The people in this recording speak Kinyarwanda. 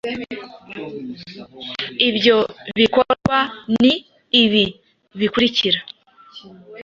Ibyo bikorwa ni ibi bikurikira